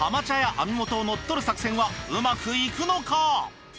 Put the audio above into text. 網元を乗っ取る作戦はうまくいくのか？